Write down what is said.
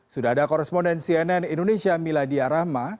sudah ada koresponden cnn indonesia miladia rahma